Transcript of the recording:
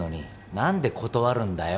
何で断るんだよ